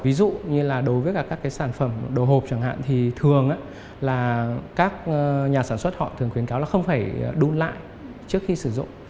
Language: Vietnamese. ví dụ như là đối với các cái sản phẩm đồ hộp chẳng hạn thì thường là các nhà sản xuất họ thường khuyến cáo là không phải đun lại trước khi sử dụng